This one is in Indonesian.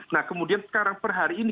nah kemudian sekarang per hari ini